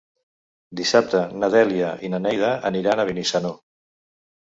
Dissabte na Dèlia i na Neida aniran a Benissanó.